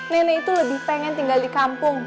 nenek itu lebih pengen tinggal di kampung